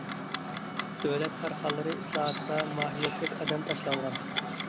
دۆلەت كارخانىلىرى ئىسلاھاتىدا ماھىيەتلىك قەدەم تاشلانغان.